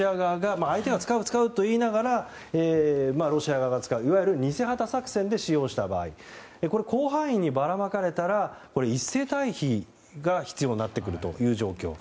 相手が使う、使うといいながらロシア側が使ういわゆる偽旗作戦で使用した場合これは広範囲にばらまかれたら一斉退避が必要になってくるという状況。